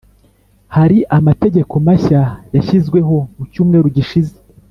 hari amategeko mashya yashyizweho mu cyumweru gishize